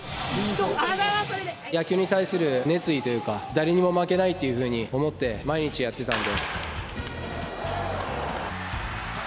野球に対する熱意というか誰にも負けないというふうに思って毎日やってたので。